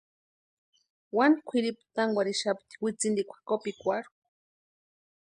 Wani kwʼiripu tánkwarhitixapti witsintikwa kopikwarhu.